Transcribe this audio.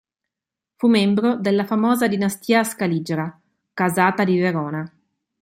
Fu membro della famosa dinastia scaligera, casata di Verona.